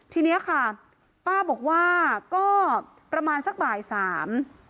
ทีเนี้ยค่ะป้าบอกว่าก็ประมาณสักบ่ายสาม